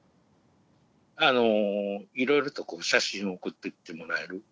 あのいろいろと写真を送ってきてもらえる。